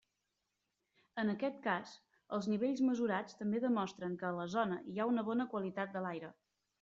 En aquest cas, els nivells mesurats també demostren que a la zona hi ha una bona qualitat de l'aire.